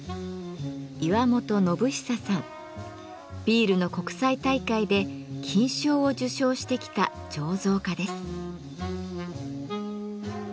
ビールの国際大会で金賞を受賞してきた醸造家です。